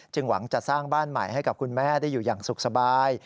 หวังจะสร้างบ้านใหม่ให้กับคุณแม่ได้อยู่อย่างสุขสบาย